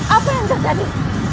apa yang terjadi